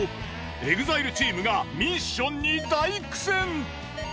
ＥＸＩＬＥチームがミッションに大苦戦。